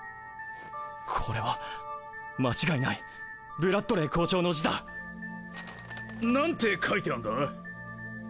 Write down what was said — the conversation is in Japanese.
これは間違いないブラッドレー校長の字だなんて書いてあんだ？